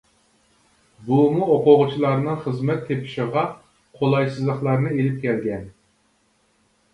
بۇمۇ ئوقۇغۇچىلارنىڭ خىزمەت تېپىشىغا قولايسىزلىقلارنى ئېلىپ كەلگەن.